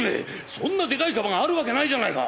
そんなでかい鞄があるわけないじゃないか！